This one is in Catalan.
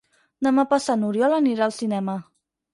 Demà passat n'Oriol anirà al cinema.